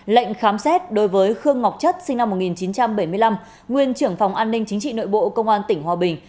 lệnh khám xét đối với khương ngọc chất sinh năm một nghìn chín trăm bảy mươi năm nguyên trưởng phòng an ninh chính trị nội bộ công an tỉnh hòa bình